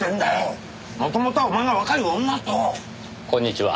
こんにちは。